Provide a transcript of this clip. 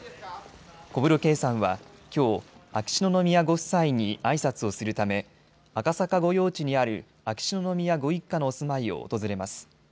小室圭さんはきょう、秋篠宮ご夫妻にあいさつをするため赤坂御用地にある秋篠宮ご一家のお住まいを訪れます。